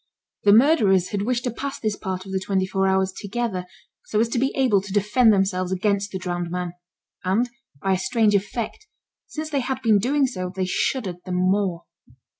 The murderers had wished to pass this part of the twenty four hours together, so as to be able to defend themselves against the drowned man, and by a strange effect, since they had been doing so, they shuddered the more.